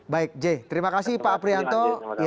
baik j terima kasih pak aprianto